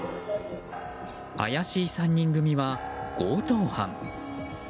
怪しい３人組は強盗犯。